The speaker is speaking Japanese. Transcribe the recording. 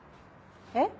えっ？